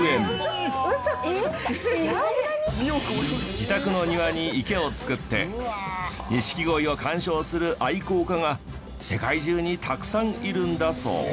自宅の庭に池を作って錦鯉を鑑賞する愛好家が世界中にたくさんいるんだそう。